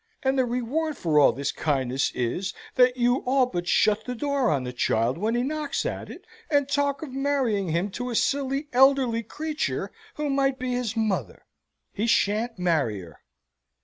And the reward for all this kindness is, that you all but shut the door on the child when he knocks at it, and talk of marrying him to a silly elderly creature who might be his mother! He shan't marry her."